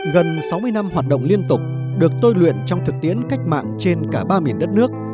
gần sáu mươi năm hoạt động liên tục được tôi luyện trong thực tiễn cách mạng trên cả ba miền đất nước